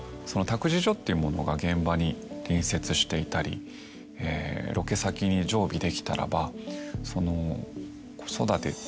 託児所っていうものが現場に隣接していたりロケ先に常備できたらば。